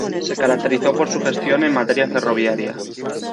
Se caracterizó por su gestión en materia ferroviaria.